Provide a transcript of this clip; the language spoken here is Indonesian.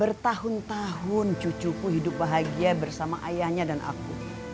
bertahun tahun cucuku hidup bahagia bersama ayahnya dan aku